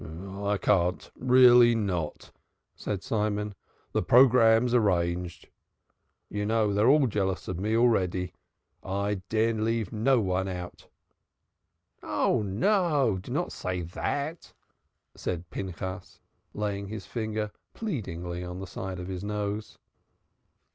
"I can't; really not," said Simon. "The programme's arranged. You know they're all jealous of me already. I dare not leave one out." "Ah, no; do not say dat!" said Pinchas, laying his finger pleadingly on the side of his nose.